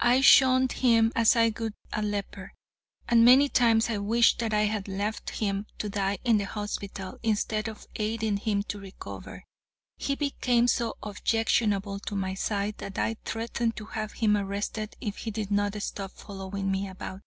I shunned him as I would a leper, and many times I wished that I had left him to die in the hospital, instead of aiding him to recover. He became so objectionable to my sight that I threatened to have him arrested if he did not stop following me about.